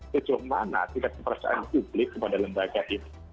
sejauh mana tingkat kepercayaan publik kepada lembaga itu